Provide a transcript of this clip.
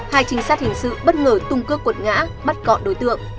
hai trinh sát hình sự bất ngờ tung cước cuột ngã bắt gọn đối tượng